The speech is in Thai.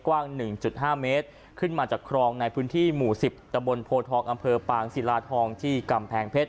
กว้าง๑๕เมตรขึ้นมาจากครองในพื้นที่หมู่๑๐ตะบนโพทองอำเภอปางศิลาทองที่กำแพงเพชร